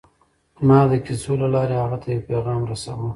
ما د کیسو له لارې هغه ته یو پیغام رساوه